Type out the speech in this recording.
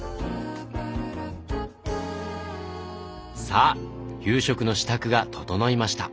さあ夕食の支度が整いました。